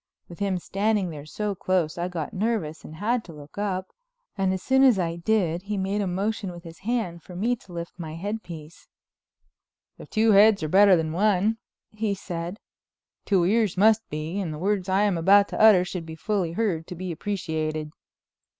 With him standing there so close I got nervous and had to look up, and as soon as I did it he made a motion with his hand for me to lift my headpiece. "If two heads are better than one," he said, "two ears must be; and the words I am about to utter should be fully heard to be appreciated."